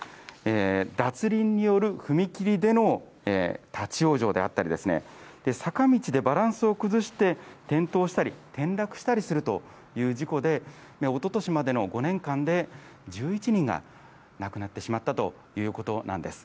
脱輪による踏切での立往生であったりですね、坂道でバランスを崩して転倒したり転落したりするという事故で、おととしまでの５年間で１１人が亡くなってしまったということなんです。